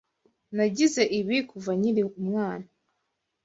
Nagize ibi kuva nkiri umwana.